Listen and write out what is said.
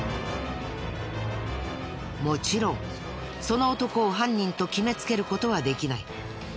もちろんその男を犯人と決めつける事はできない。